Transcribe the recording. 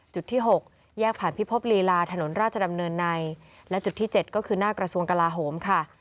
จุดที่๖แยกผ่านพิภพลีลาถนนราชดำเนินในและจุดที่๗ก็คือหน้ากระทรวงกลาโหมค่ะ